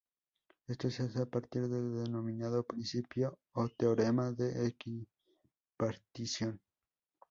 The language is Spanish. Esto se hace a partir del denominado principio o teorema de equipartición.